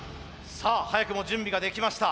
さあ早くも準備ができました。